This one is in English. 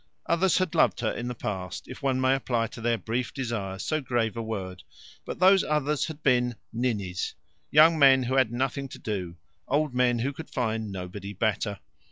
Others had loved her in the past, if one may apply to their brief desires so grave a word, but those others had been "ninnies" young men who had nothing to do, old men who could find nobody better.